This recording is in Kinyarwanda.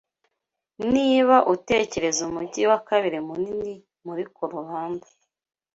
Niba utekereza umujyi wa kabiri munini muri Colorado